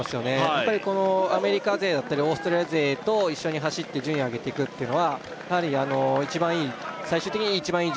やっぱりこのアメリカ勢だったりオーストラリア勢と一緒に走って順位を上げてくっていうのはやはり一番いい最終的に一番いい